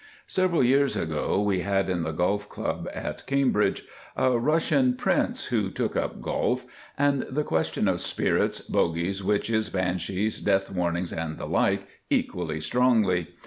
Several years ago we had in the Golf Club at Cambridge a Russian Prince who took up golf, and the questions of spirits, bogies, witches, banshees, death warnings, and the like, equally strongly.